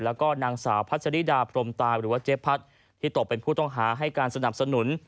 แล้วก็นางสาวพัชริดาพรมตาหรือว่าเจ๊พัดที่ตกเป็นผู้ต้องหาให้การสนับสนุน